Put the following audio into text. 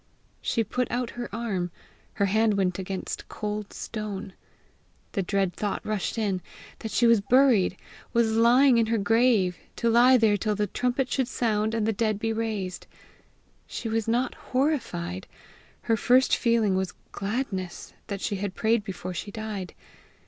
.She put out her arm: her hand went against cold stone. The dread thought rushed in that she was buried was lying in her grave to lie there till the trumpet should sound, and the dead be raised. She was not horrified; her first feeling was gladness that she had prayed before she died.